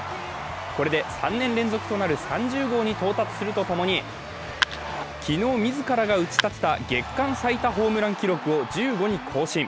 これで３年連続となる３０号に到達するとともに、昨日、自らが打ち立てた月間最多ホームラン記録を１５に更新。